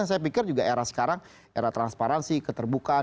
saya pikir juga era sekarang era transparansi keterbukaan